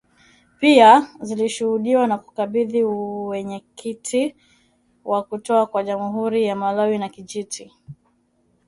pia zilishuhudiwa na kukabidhi uenyekiti wa kutoka kwa jamhuri ya Malawi na kijiti